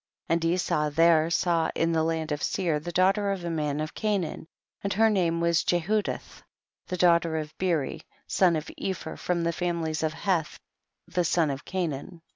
22. And Esau there saw in the land of Seir the daughter of a man of Canaan, and her name was Jehu dith, the daughter of Beeri, son of Epher, from the families of Hcth the son of Canaan.